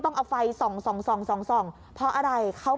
หน้าวัดไอ้ท็อป